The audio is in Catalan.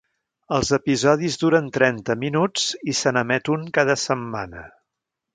Els episodis duren trenta minuts i se n'emet un cada setmana.